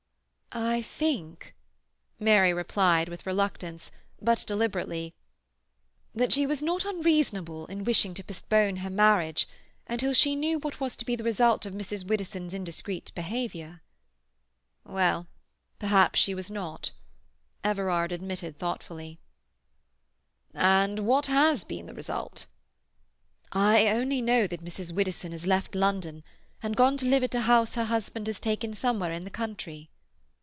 "I think," Mary replied, with reluctance, but deliberately, "that she was not unreasonable in wishing to postpone her marriage until she knew what was to be the result of Mrs. Widdowson's indiscreet behaviour." "Well, perhaps she was not," Everard admitted thoughtfully. "And what has been the result?" "I only know that Mrs. Widdowson has left London and gone to live at a house her husband has taken somewhere in the country."